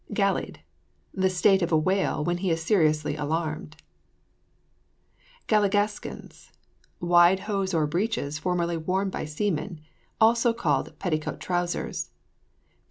GALLIED. The state of a whale when he is seriously alarmed. GALLIGASKINS. Wide hose or breeches formerly worn by seamen also called petticoat trousers.